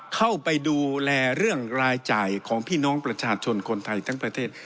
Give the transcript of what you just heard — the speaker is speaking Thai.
เข้าไปดูแลเรื่องรายจ่ายของพี่น้องประชาชนคนไทยทั้งประเทศ